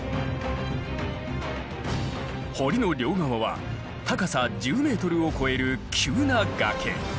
堀の両側は高さ１０ｍを超える急な崖。